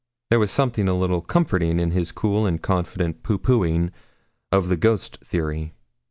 There was something a little comforting in his cool and confident pooh poohing of the ghost theory.